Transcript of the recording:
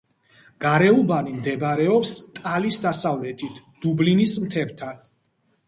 გარეუბანი მდებარეობს ტალის დასავლეთით, დუბლინის მთებთან.